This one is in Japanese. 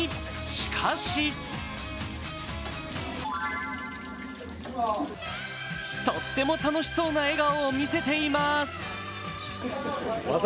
しかしとっても楽しそうな笑顔を見せています。